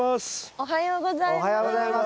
おはようございます。